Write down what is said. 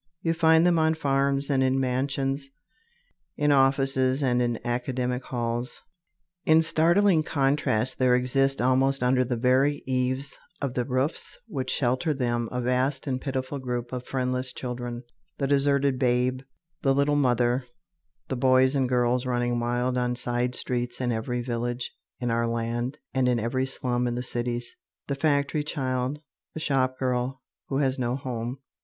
You find them on farms and in mansions, in offices and in academic halls. In startling contrast there exists almost under the very eaves of the roofs which shelter them a vast and pitiful group of friendless children, the deserted babe, the "little mother," the boys and girls running wild on side streets in every village in our land and in every slum in the cities, the factory child, the shop girl who has no home.